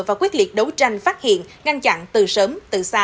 và quyết liệt đấu tranh phát hiện ngăn chặn từ sớm từ xa